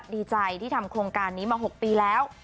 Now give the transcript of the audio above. ดีใจที่ทำโครงการนี้มา๖ปีแล้ว